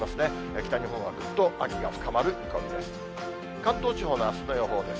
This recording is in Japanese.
北日本はぐっと秋が深まる気温です。